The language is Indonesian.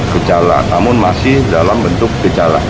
kecala namun masih dalam bentuk kecala